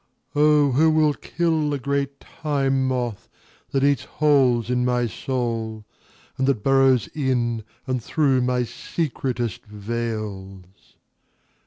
(O who will kill the great Time Moth that eats holes in my soul and that burrows in and through my secretest veils!)